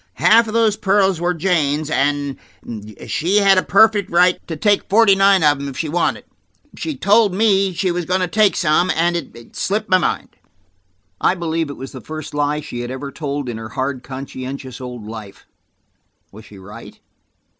Half of those pearls were Jane's and–she had a perfect right to take forty nine of them if she wanted. She–she told me she was going to take some, and it–slipped my mind." I believe it was the first lie she had ever told in her hard, conscientious old life. Was she right?